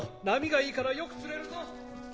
波がいいからよく釣れるぞ！